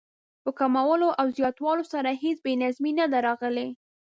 په کمولو او زیاتولو سره هېڅ بې نظمي نه ده راغلې.